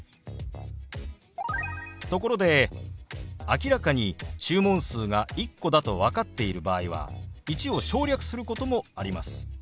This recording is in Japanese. ところで明らかに注文数が１個だと分かっている場合は「１」を省略することもあります。